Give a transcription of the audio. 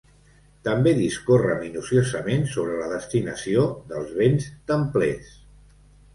També discorre minuciosament sobre la destinació dels béns templers.